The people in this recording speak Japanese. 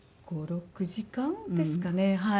５６時間ですかね。